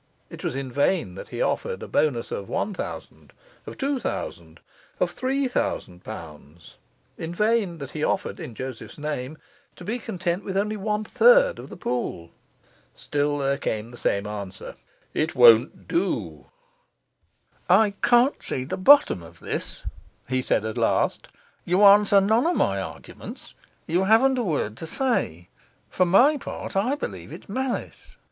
It was in vain that he offered a bonus of one thousand, of two thousand, of three thousand pounds; in vain that he offered, in Joseph's name, to be content with only one third of the pool. Still there came the same answer: 'It won't do.' 'I can't see the bottom of this,' he said at last. 'You answer none of my arguments; you haven't a word to say. For my part, I believe it's malice.